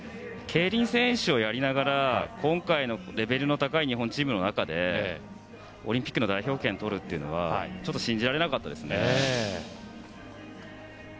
競輪選手をやりながら今回のレベルの高い日本チームの中でオリンピックの代表権をとるっていうのはちょっと信じられなかったです。